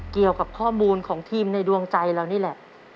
เกี่ยวกับข้อมูลของทีมในดวงใจเรานี่แหละ